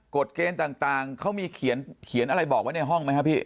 เกณฑ์ต่างเขามีเขียนอะไรบอกไว้ในห้องไหมครับพี่